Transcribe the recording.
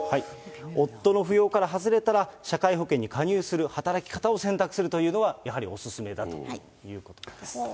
夫の扶養から外れたら社会保険に加入する働き方を選択するというのが、やはりお勧めだということです。